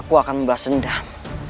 aku akan membahas sendam